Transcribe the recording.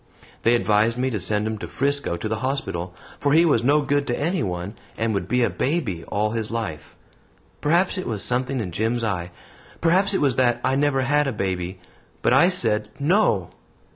They advised me to send him to Frisco to the hospital, for he was no good to anyone and would be a baby all his life. Perhaps it was something in Jim's eye, perhaps it was that I never had a baby, but I said 'No.'